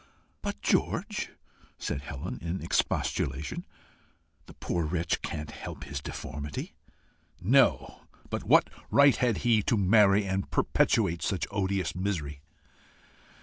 "But, George!" said Helen, in expostulation, "the poor wretch can't help his deformity." "No; but what right had he to marry and perpetuate such odious misery!"